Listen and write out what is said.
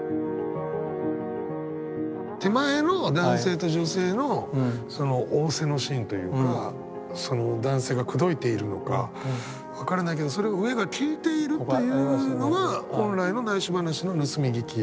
手前の男性と女性のその逢瀬のシーンというかその男性が口説いているのか分からないけどそれを上が聞いているっていうのが本来の内緒話の盗み聞き。